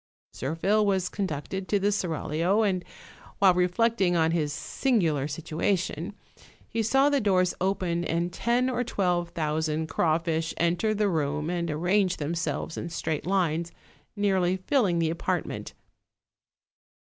Zirphil was conducted to the seraglio, and while reflect ing on his singular situation, he saw the doors open and ten or twelve thousand crawfish enter the room and ar range themselves in straight lines, nearly filling the apartment.